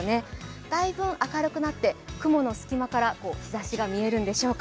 大分明るくなってきて雲の隙間から日ざしが見えるんでしょうか。